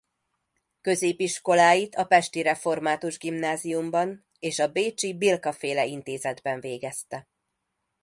Középiskoláit a pesti református gimnáziumban és a bécsi Bilka-féle intézetben végezte.